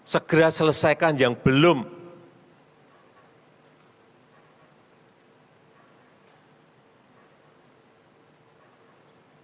dan kemudian saya cakap lagi sesuatu